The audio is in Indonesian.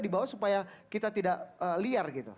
di bawah supaya kita tidak liar gitu